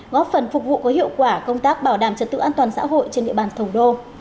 góp phần phục vụ có hiệu quả công tác bảo đảm trật tự an toàn xã hội trên địa bàn thủ đô